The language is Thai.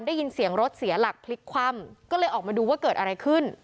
ได้ยินเสียงรถเสียหลักพลิกคว่ำก็เลยออกมาดูว่าเกิดอะไรขึ้น